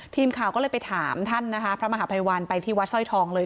ทีมข่าวก็เลยไปถามท่านนะคะพระมหาภัยวัลไปที่วัดสร้อยทองเลย